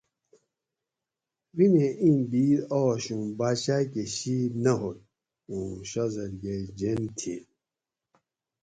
غم اِیں بِیدیں آش اوں باچا کہ شِید نہ ہوگ اُوں شازادگے جین تھی